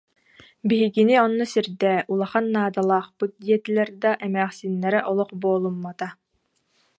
Биһигини онно сирдээ, улахан наадалаахпыт диэтилэр да, эмээхсиннэрэ олох буолуммата